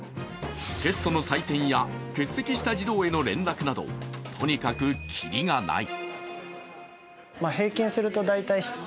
テストの採点や欠席した児童への連絡など、とにかく切りがない。